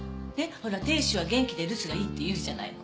ほら亭主は元気で留守がいいって言うじゃないの。